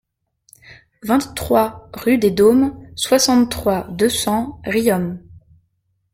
vingt-trois rue des Dômes, soixante-trois, deux cents, Riom